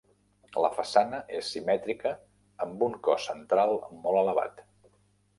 La façana és simètrica amb un cos central molt elevat.